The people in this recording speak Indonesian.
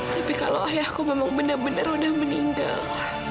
tapi kalau ayahku memang benar benar udah meninggal